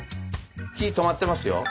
火止まってますよ。